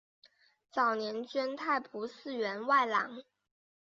早年捐太仆寺员外郎。